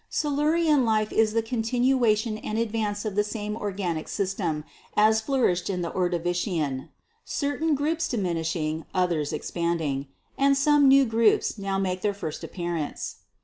Silurian life is the continuation and advance of the same organic system as flourished in the Ordovician, certain 2i6 GEOLOGY groups diminishing, others expanding; and some new groups now make their first appearance.